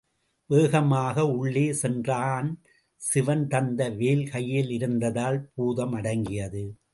வேகமாக உள்ளே சென்றான், சிவன் தந்த வேல் கையில் இருந்ததால் பூதம் அடங்கியது.